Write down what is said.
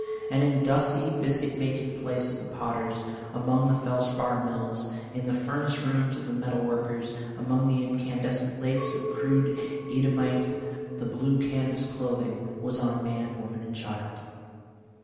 And in the dusty biscuit making place of the potters, among the felspar mills, in the furnace rooms of the metal workers, among the incandescent lakes of crude Eadhamite, the blue canvas clothing was on man, woman and child.